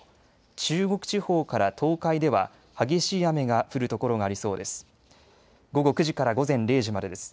中国地方から東海では激しい雨が降る所がありそうです。